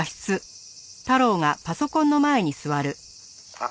あっ。